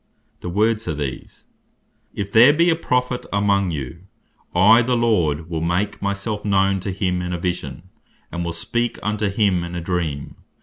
The words are these (Numb. 12. 6,7,8.) "If there be a Prophet among you, I the Lord will make my self known to him in a Vision, and will speak unto him in a Dream.